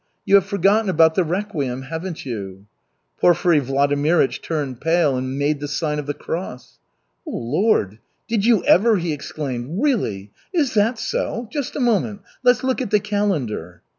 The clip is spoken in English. You have forgotten about the requiem, haven't you?" Porfiry Vladimirych turned pale and made the sign of the cross. "Oh, Lord! Did you ever!" he exclaimed. "Really? Is that so? Just a moment. Let's look at the calendar."